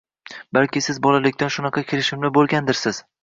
— Balki siz bolalikdan shunaqa kirishimli boʻlgandirsiz